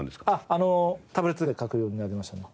あのタブレットで描くようになりましたね。